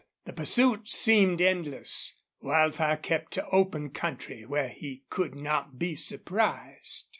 The pursuit seemed endless. Wildfire kept to open country where he could not be surprised.